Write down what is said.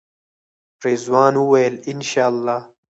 رضوان وویل انشاالله.